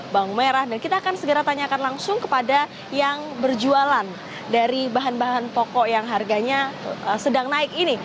bawang merah dan kita akan segera tanyakan langsung kepada yang berjualan dari bahan bahan pokok yang harganya sedang naik ini